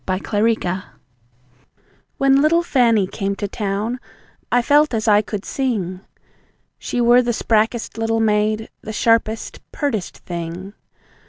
Little Fan When little Fanny came to town, I felt as I could sing! She were the sprackest little maid, the sharpest, pertest thing.